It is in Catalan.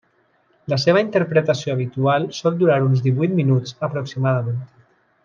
La seva interpretació habitual sol durar uns divuit minuts aproximadament.